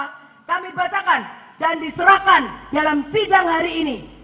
yang kami bacakan dan diserahkan dalam sidang hari ini